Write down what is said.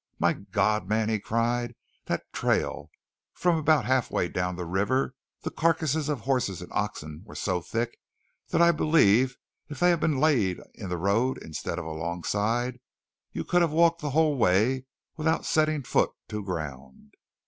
"My God! man!" he cried. "That trail! From about halfway down the river the carcasses of horses and oxen were so thick that I believe if they'd been laid in the road instead of alongside you could have walked the whole way without setting foot to ground!"